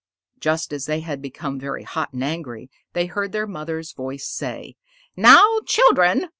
Just as they had become very hot and angry, they heard their mother's voice say, "Now, children!"